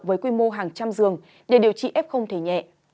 với quy mô hàng trăm giường để điều trị f không thể nhẹ